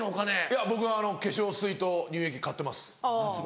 いや僕は化粧水と乳液買ってますはい。